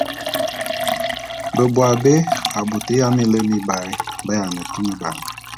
Beboabé a bôt ya minlem mibaé b’ayiane tuneban.